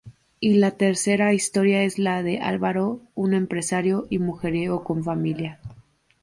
Y la tercera historia es la de Álvaro, un empresario y mujeriego con familia.